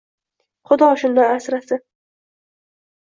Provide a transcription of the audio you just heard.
Xudo shundan asrasin!